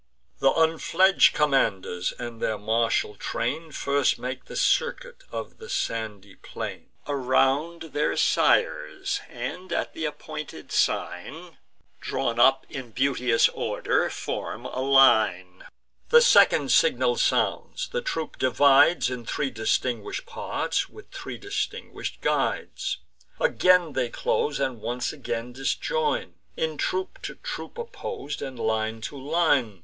Th' unfledg'd commanders and their martial train First make the circuit of the sandy plain Around their sires, and, at th' appointed sign, Drawn up in beauteous order, form a line. The second signal sounds, the troop divides In three distinguish'd parts, with three distinguish'd guides Again they close, and once again disjoin; In troop to troop oppos'd, and line to line.